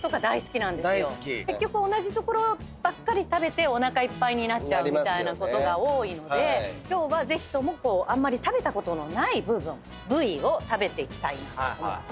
結局同じ所ばっかり食べておなかいっぱいになっちゃうみたいなことが多いので今日はぜひともあんまり食べたことのない部分部位を食べていきたいなと。